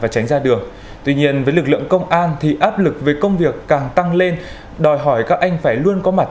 tuy nhiên với lực lượng công an thì áp lực về công việc càng tăng lên đòi hỏi các anh phải luôn có mặt